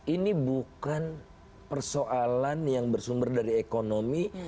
ini bukan persoalan yang bersumber dari ekonomi